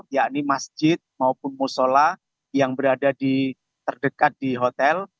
yakni masjid maupun musola yang berada di terdekat di hotel